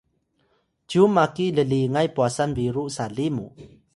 cyu maki llingay pwasan biru sali mu